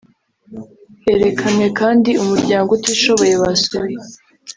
Herekanwe kandi umuryango utishoboye basuye